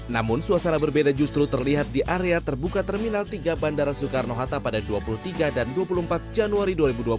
namun suasana berbeda justru terlihat di area terbuka terminal tiga bandara soekarno hatta pada dua puluh tiga dan dua puluh empat januari dua ribu dua puluh